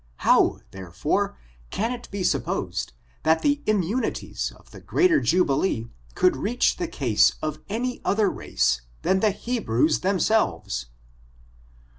How, therefore, can it be supposed that the immuni ties (^ the greater jubilee could reach the case of any other race than the Hebrews themselves?